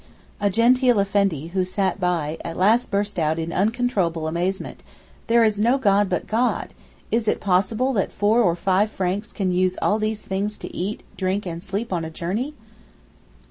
A genteel Effendi, who sat by, at last burst out in uncontrollable amazement; 'There is no God but God: is it possible that four or five Franks can use all these things to eat, drink and sleep on a journey?